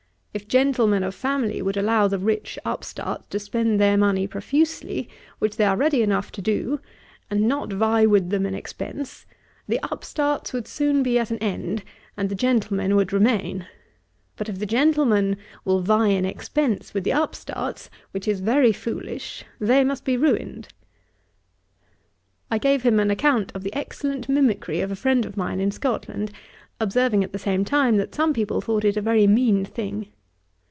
If gentlemen of family would allow the rich upstarts to spend their money profusely, which they are ready enough to do, and not vie with them in expence, the upstarts would soon be at an end, and the gentlemen would remain: but if the gentlemen will vie in expence with the upstarts, which is very foolish, they must be ruined.' I gave him an account of the excellent mimickry of a friend of mine in Scotland; observing, at the same time, that some people thought it a very mean thing.